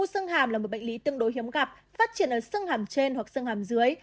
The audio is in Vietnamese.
u xương hàm là một bệnh lý tương đối hiếm gặp phát triển ở xương hàm trên hoặc xương hàm dưới